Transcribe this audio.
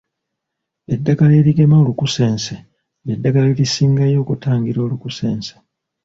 Eddagala erigema Olukusense ly'eddagala erisingayo okutangira olukusense